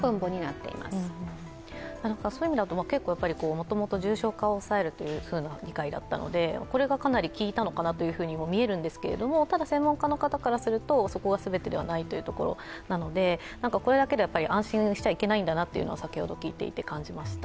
もともと重症化を抑えるという理解だったので、これがかなり効いたのかなというふうにも見えるんですけどただ、専門家の方からするとそこが全てではないというところなのでこれだけで安心しちゃいけないんだなというのは、先ほど聞いていて感じました。